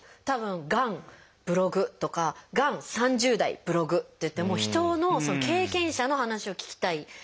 たぶん「がんブログ」とか「がん３０代ブログ」ってやって人のその経験者の話を聞きたい。